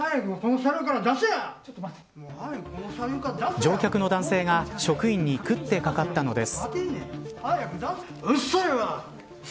乗客の男性が職員に食ってかかったのです。